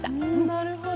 なるほど！